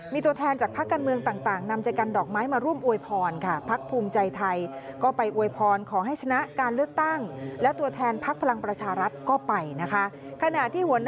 มีตัวแทนจากพักการเมืองต่างนำใจกันดอกไม้มาร่วมอวยพรค่ะ